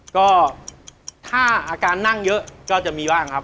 ก็ถ้าอาการนั่งเยอะก็จะมีบ้างครับ